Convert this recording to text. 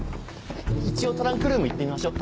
一応トランクルーム行ってみましょ。